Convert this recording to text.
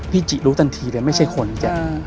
พี่จิรู้ตันทีเลยไม่ใช่คนจริง